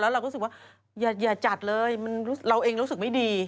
เราก็รู้สึกว่าอย่าจัดเลยเราเองรู้สึกไม่ดี